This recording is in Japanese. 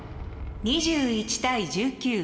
２１対１９。